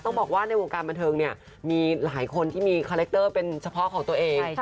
บอกว่าในวงการบันเทิงเนี่ยมีหลายคนที่มีคาแรคเตอร์เป็นเฉพาะของตัวเอง